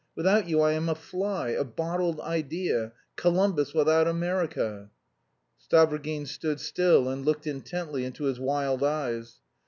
Without you I am a fly, a bottled idea; Columbus without America." Stavrogin stood still and looked intently into his wild eyes.